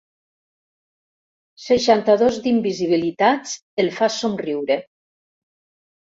Seixanta-dos d'invisibilitats el fa somriure.